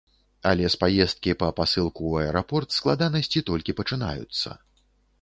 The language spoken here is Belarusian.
Але з паездкі па пасылку ў аэрапорт складанасці толькі пачынаюцца.